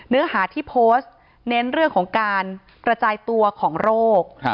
เนื้อหาที่โพสต์เน้นเรื่องของการกระจายตัวของโรค